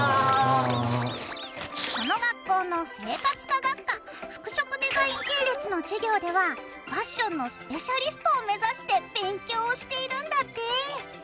この学校の生活科学科服飾デザイン系列の授業ではファッションのスペシャリストを目指して勉強をしているんだって。